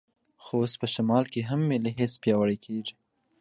خو اوس په شمال کې هم ملي حس پیاوړی کېږي.